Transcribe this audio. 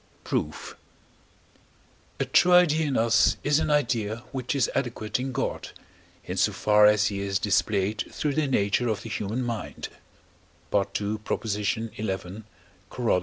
Proof. A true idea in us is an idea which is adequate in God, in so far as he is displayed through the nature of the human mind (II. xi. Coroll.).